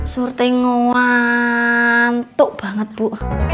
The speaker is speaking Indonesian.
surti nguantuk banget bu